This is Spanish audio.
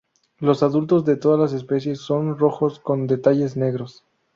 Los adultos de todas las especies son rojos con detalles negros.